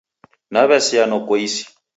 Naw'asea noko isi.